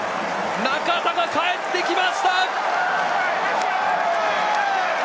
中田が帰ってきました！